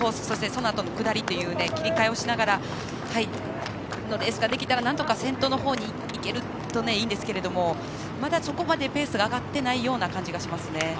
そして、そのあとの下りという切り替えをしながらのレースができたらなんとか先頭のほうにいけるといいんですけれどもまだ、そこまでペースが上がっていないような感じがします。